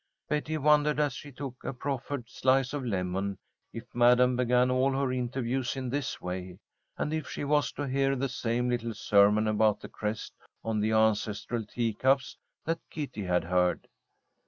Betty wondered, as she took a proffered slice of lemon, if Madam began all her interviews in this way, and if she was to hear the same little sermon about the crest on the ancestral teacups that Kitty had heard.